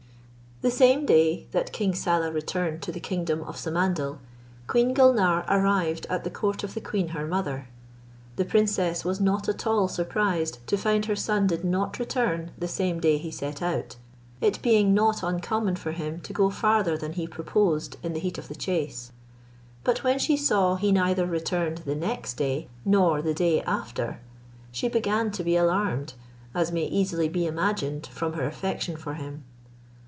The same day that King Saleh returned to the kingdom of Samandal, Queen Gulnare arrived at the court of the queen her mother. The princess was not at all surprised to find her son did not return the same day he set out: it being not uncommon for him to go farther than he proposed in the heat of the chase; but when she saw he neither returned the next day, nor the day after, she began to be alarmed, as may easily be imagined from her affection for him.